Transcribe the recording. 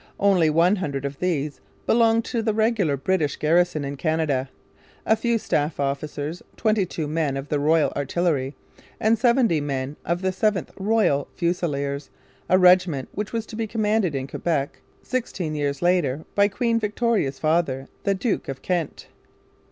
Only one hundred of these belonged to the regular British garrison in Canada a few staff officers, twenty two men of the Royal Artillery, and seventy men of the 7th Royal Fusiliers, a regiment which was to be commanded in Quebec sixteen years later by Queen Victoria's father, the Duke of Kent.